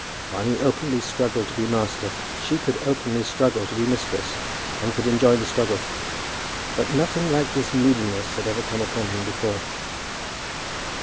While he openly struggled to be master, she could openly struggle to be mistress, and could enjoy the struggle. But nothing like this moodiness had ever come upon him before.